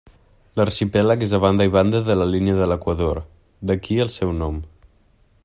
L'arxipèlag és a banda i banda de la línia de l'equador, d'aquí el seu nom.